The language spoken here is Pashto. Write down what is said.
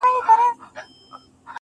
چي مو وركړي ستا د سترگو سېپارو ته زړونه